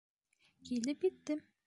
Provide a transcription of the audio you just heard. Килеп еттем!